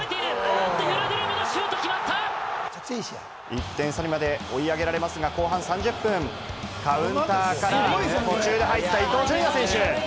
１点差にまで追い上げられますが後半３０分、カウンターから途中で入った、伊東純也選手。